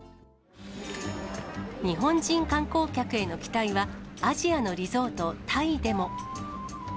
日本人観光客への期待は、アジアのリゾート、タイでも。